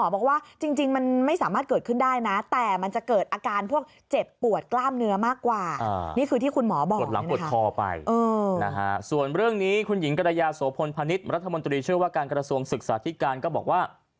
บทหลังบททอไปนะฮะส่วนเรื่องนี้คุณหญิงกรยาโสพนภนิษย์รัฐมนตรีเชื่อว่าการกระทรวงศึกษาธิการก็บอกว่า